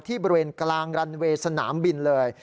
บริเวณกลางรันเวย์สนามบินเลย